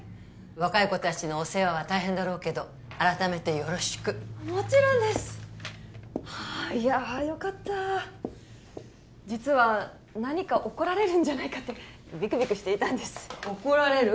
若い子達のお世話は大変だろうけど改めてよろしくもちろんですいやよかった実は何か怒られるんじゃないかってビクビクしていたんです怒られる？